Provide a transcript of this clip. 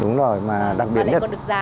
đúng rồi mà đặc biệt nhất